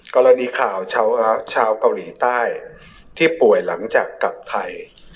กรณีข่าวชาวเกาหลีใต้ที่ป่วยหลังจากกลับไทย